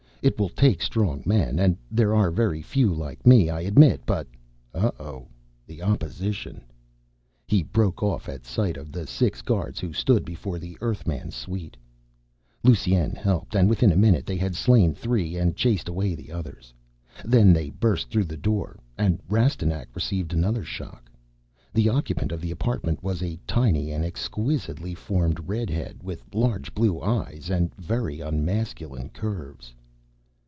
It will take strong men, and there are very few like me, I admit, but oh, oh, opposition!" He broke off at sight of the six guards who stood before the Earthman's suite. Lusine helped, and within a minute they had slain three and chased away the others. Then they burst through the door and Rastignac received another shock. The occupant of the apartment was a tiny and exquisitely formed redhead with large blue eyes and very unmasculine curves!